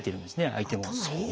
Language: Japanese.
相手も。